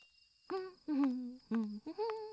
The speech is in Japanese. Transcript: うん。